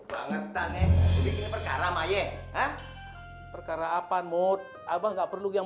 bang banget aneh bikin perkara maye perkara apa anmud abah nggak perlu yang